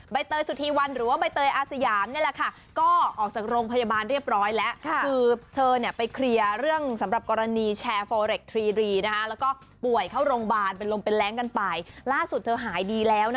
ใบเตยสุทธิวันหรือว่าใบเตยอาเซียม